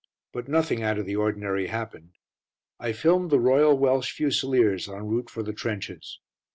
But nothing out of the ordinary happened. I filmed the Royal Welsh Fusiliers en route for the trenches.